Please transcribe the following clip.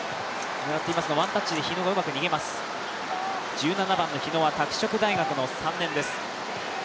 １７番の日野は拓殖大学の３年生です。